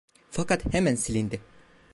Fakat hemen silindi.